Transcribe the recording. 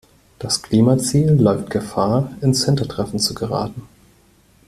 Das Klimaziel läuft Gefahr, ins Hintertreffen zu geraten.